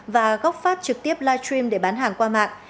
và góc phát trực tiếp live stream để bán hàng qua mạng